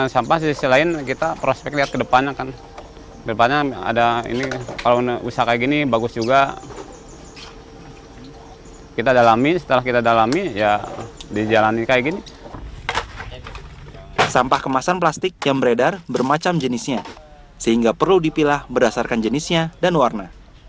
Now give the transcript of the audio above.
sampah kemasan plastik yang beredar bermacam jenisnya sehingga perlu dipilah berdasarkan jenisnya dan warna